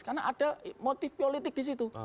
karena ada motif politik di situ